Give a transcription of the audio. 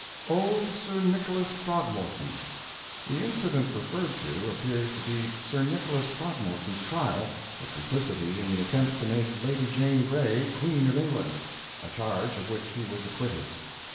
OLD SR. NICHOLAS THROGMORTON The incident referred to appears to be Sir Nicholas Throgmorton's trial for complicity in the attempt to make Lady Jane Grey Queen of England, a charge of which he was acquitted.